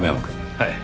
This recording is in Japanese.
はい。